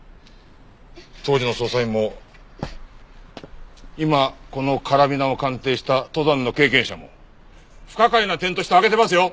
当時の捜査員も今このカラビナを鑑定した登山の経験者も不可解な点として挙げてますよ！